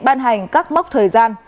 ban hành các mốc thời gian